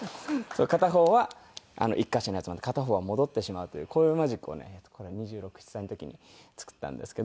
片方は１カ所に集まって片方は戻ってしまうというこういうマジックをねこれ２６２７歳の時に作ったんですけど。